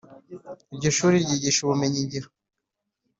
Iryo shuri ryigisha ubumenyi ngiro.